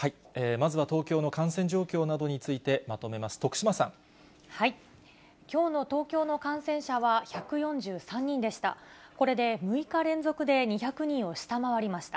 まずは東京の感染状況などにきょうの東京の感染者は、１４３人でした。